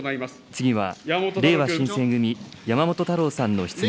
次はれいわ新選組、山本太郎さんの質問です。